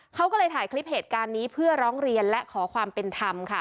เขาก็เลยถ่ายคลิปเหตุการณ์นี้เพื่อร้องเรียนและขอความเป็นธรรมค่ะ